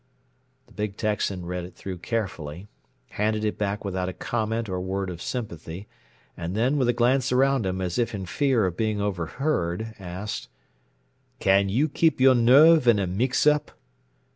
The big Texan read it through carefully, handed it back without a comment or word of sympathy, and then, with a glance around him, as if in fear of being overheard, asked: "Can you keep your nerve in a mix up?"